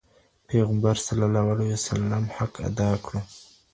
پيغمبر عليه السلام حق ادا کړ.